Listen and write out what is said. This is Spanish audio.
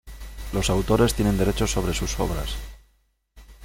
Los autores tienen derechos sobre sus obras